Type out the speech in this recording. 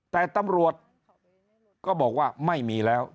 แต่ตำรวจก็บอกว่าไม่มีแล้ว